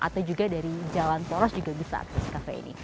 atau juga dari jalan poros juga bisa akses kafe ini